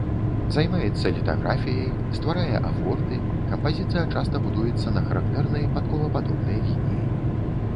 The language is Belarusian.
Займаецца літаграфіяй, стварае афорты, кампазіцыя часта будуецца на характэрнай падковападобнай лініі.